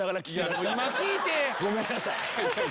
ごめんなさい。